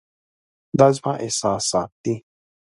دا زما احساسات دي .